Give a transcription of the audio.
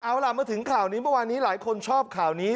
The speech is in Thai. เอาล่ะมาถึงข่าวนี้เมื่อวานนี้หลายคนชอบข่าวนี้